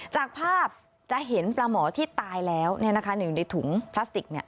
จากภาพจะเห็นปลาหมอที่ตายแล้วอยู่ในถุงพลาสติก